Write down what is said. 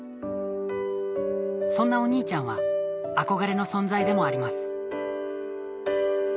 そんなお兄ちゃんは憧れの存在でもあります